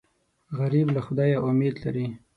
غریب له خدایه امید لري